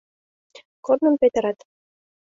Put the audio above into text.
Корным петырат...